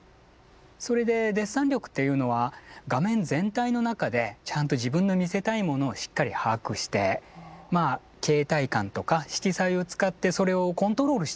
それでデッサン力っていうのは画面全体の中でちゃんと自分の見せたいものをしっかり把握して形態感とか色彩を使ってそれをコントロールしていく。